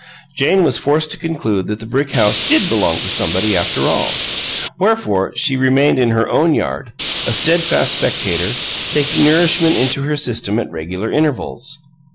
Jane was forced to conclude that the brick house did belong to somebody, after all. Wherefore, she remained in her own yard, a steadfast spectator, taking nourishment into her system at regular intervals.